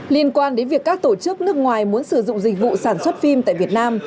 liên quan đến việc các tổ chức nước ngoài muốn sử dụng dịch vụ sản xuất phim tại việt nam